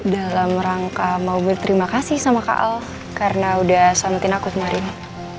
dalam rangka mau berterima kasih sama kak al karena udah sonutin aku kemarin